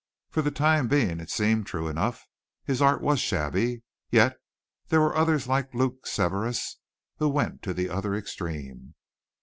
For the time being it seemed true enough. His art was shabby. Yet there were others like Luke Severas who went to the other extreme.